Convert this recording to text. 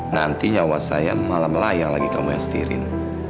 nanti nyawa saya malah melayang lagi kamu yang setirin